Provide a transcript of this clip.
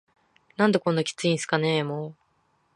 「何でこんなキツいんすかねぇ～も～…」